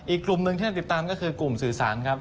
อีกกลุ่มหนึ่งที่น่าติดตามก็คือกลุ่มสื่อสารครับ